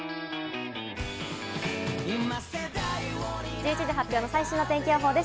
１１時発表の最新の天気予報です！